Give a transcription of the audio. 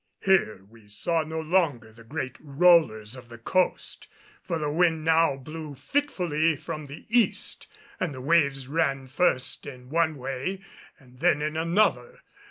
Here we saw no longer the great rollers of the coast, for the wind now blew fitfully from the east and the waves ran first in one way and then in another.